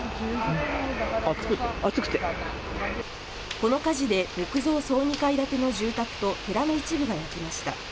この火事で木造総２階建ての住宅と寺の一部が焼けました。